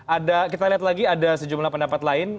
ada kita lihat lagi ada sejumlah pendapat lain